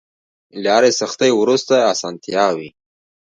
له هرې سختۍ وروسته ارسانتيا وي.